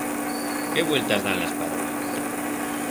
Qué vueltas dan las parolas!